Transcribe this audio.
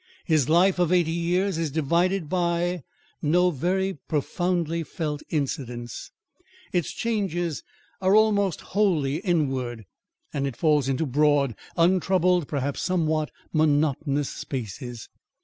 His life of eighty years is divided by no very profoundly felt incidents: its changes are almost wholly inward, and it falls into broad, untroubled, perhaps somewhat monotonous spaces.